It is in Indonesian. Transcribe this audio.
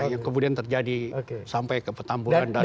yang kemudian terjadi sampai ke petampuran dari tanah abang